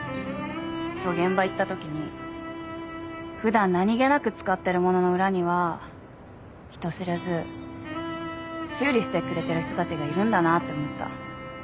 今日現場行ったときに普段何げなく使ってるものの裏には人知れず修理してくれてる人たちがいるんだなって思った。